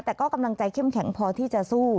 แต่ก็กำลังใจเข้มแข็งพอที่จะสู้